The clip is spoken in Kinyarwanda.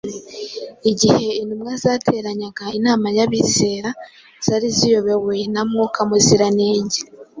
Igihe intumwa zateranyaga inama y’abizera, zari ziyobowe na Mwuka Muziranenge